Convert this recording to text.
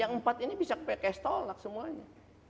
yang empat ini bisa pks tolak semuanya